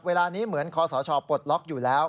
เวลานี้เหมือนคอสชปลดล็อกอยู่แล้ว